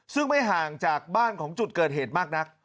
ซึ่งไม่ห่างจากบ้านของจุดเกิดเหตุมากนัก